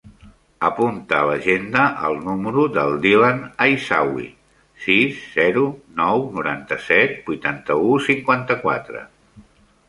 Apunta a l'agenda el número del Dylan Aissaoui: sis, zero, nou, noranta-set, vuitanta-u, cinquanta-quatre.